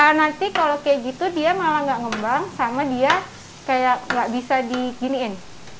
nah nanti kalau kayak gitu dia malah nggak ngembang sama dia kayak nggak bisa diginiin